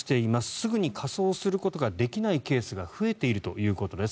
すぐに火葬することができないケースが増えているということです。